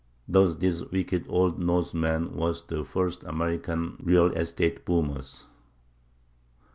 Thus this wicked old Norseman was the first of American "real estate boomers."